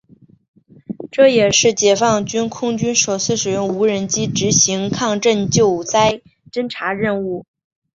这也是解放军空军首次使用无人机执行抗震救灾侦察任务。